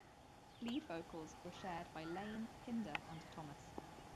Lead vocals were shared by Laine, Pinder and Thomas.